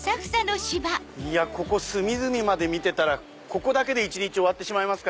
ここ隅々まで見てたらここだけで終わってしまいます。